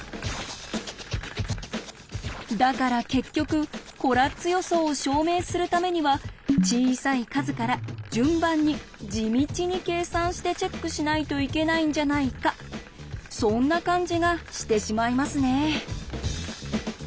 だから結局コラッツ予想を証明するためには小さい数から順番に地道に計算してチェックしないといけないんじゃないかそんな感じがしてしまいますね。